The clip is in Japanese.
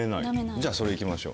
じゃあそれ行きましょう。